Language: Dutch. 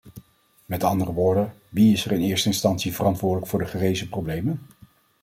Met andere woorden, wie is er in eerste instantie verantwoordelijk voor de gerezen problemen.